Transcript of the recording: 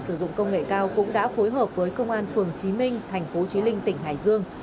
sử dụng công nghệ cao cũng đã phối hợp với công an phường trí minh thành phố trí linh tỉnh hải dương